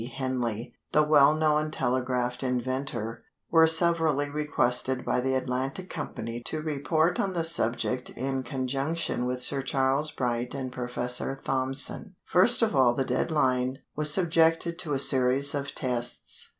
Henley, the well known telegraph inventor, were severally requested by the "Atlantic" Company to report on the subject in conjunction with Sir Charles Bright and Professor Thomson. First of all the dead line was subjected to a series of tests.